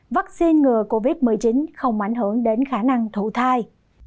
vaccine ngừa covid một mươi chín không ảnh hưởng đến khả năng thụ thai